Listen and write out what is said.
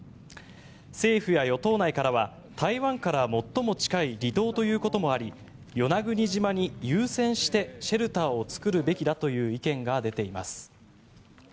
政府や与党内からは台湾から最も近い離島ということもあり与那国島に優先してシェルターを作るべきだという意見が出ています。